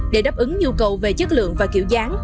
để đáp ứng nhu cầu về chất lượng và kiểu dáng